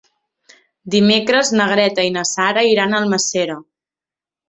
Dimecres na Greta i na Sara iran a Almàssera.